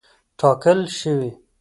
ټاکل شوې.